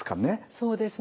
そうですね。